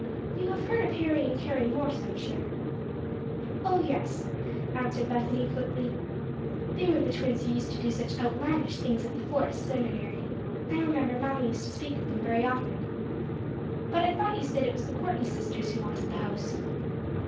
You have heard of Harry and Carrie Morse, I am sure." "O yes," answered Bethany, quickly. "They were the twins who used to do such outlandish things at Forest Seminary. I remember, mamma used to speak of them very often. But I thought you said it was the Courtney sisters who wanted the house."